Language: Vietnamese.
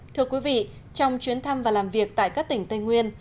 thưa quý vị trong chuyến thăm và làm việc tại các tỉnh tây nguyên